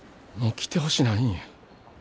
もう来てほしないんや。